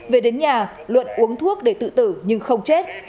về đến nhà luận uống thuốc để tự tử nhưng không chết